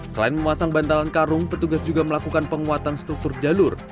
selain memasang bantalan karung petugas juga melakukan penguatan struktur jalur